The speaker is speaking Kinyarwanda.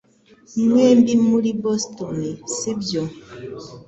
Mwembi muri Boston sibyo